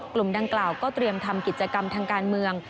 กลุ่มดังกล่าวก็เตรียมทำกิจกรรมทางการเมือง